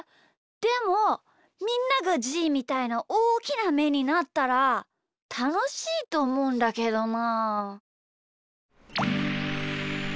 でもみんながじーみたいなおおきなめになったらたのしいとおもうんだけどな。